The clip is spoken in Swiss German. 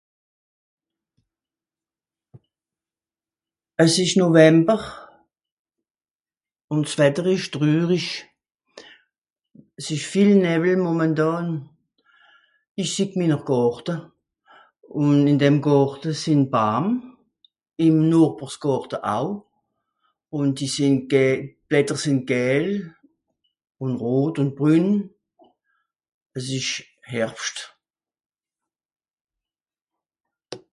Es ìsch November ùn s'Wetter ìsch trürisch. S'ìsch viel Näwwel momentàn. Ìch sìeh miner Gàrte. Ùn ìn dem Gàrte sìnn Baam. Ìm Nochbers Gàrte au. Ùn die sìnn gä... d'Blätter sìnn gäl. Ùn Rot, ùn brün. Es ìsch Herbscht